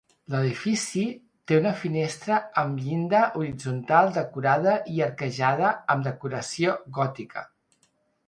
L'edifici té una finestra amb llinda horitzontal decorada i arquejada amb decoració gòtica.